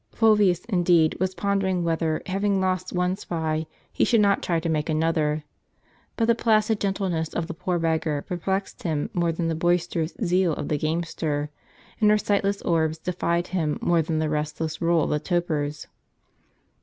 Fulvius, indeed, was pondering whether, having lost one spy, he should not try to make another. But the placid gentleness of the poor beggar perplexed him more than the boisterous zeal of the gamester, and her sightless orbs defied him more than the restless roll of the toper's.